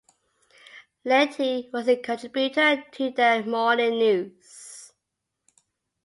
Leite was a contributor to The Morning News.